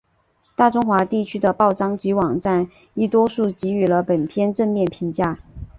大中华地区的报章及网站亦多数给予了本片正面评价。